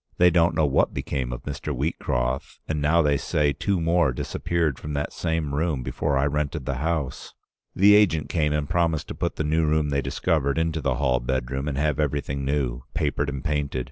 They don't know what became of Mr. Wheatcroft, and now they say two more disappeared from that same room before I rented the house. The agent came and promised to put the new room they discovered into the hall bedroom and have everything new — papered and painted.